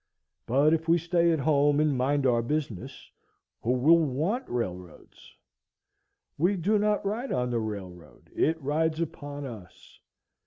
But if we stay at home and mind our business, who will want railroads? We do not ride on the railroad; it rides upon us.